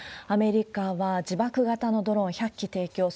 アメリカは自爆型のドローン１００機提供。